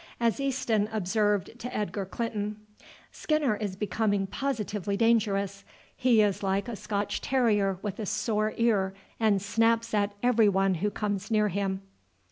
As Easton observed to Edgar Clinton: "Skinner is becoming positively dangerous. He is like a Scotch terrier with a sore ear, and snaps at every one who comes near him."